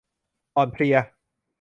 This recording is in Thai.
อ่อนเพลีย